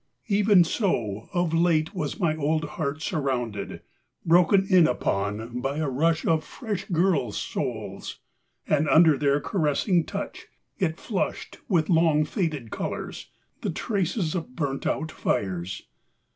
Even so of late was my old heart surrounded, broken in upon by a rush of fresh girls' souls ... and under their caressing touch it flushed with long faded colours, the traces of burnt out fires